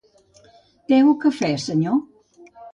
Te o cafè, senyor?